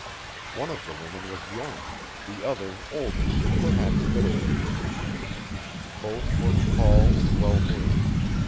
One of the women was young, the other older perhaps middle aged. Both were tall and well made.